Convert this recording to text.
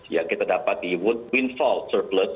yang kita dapati windfall surplus